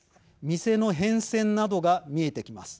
店の変遷などが見えてきます。